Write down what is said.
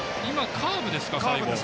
カーブですね。